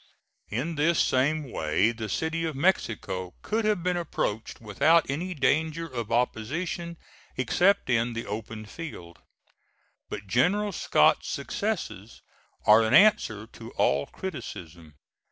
In this same way the City of Mexico could have been approached without any danger of opposition, except in the open field. But General Scott's successes are an answer to all criticism.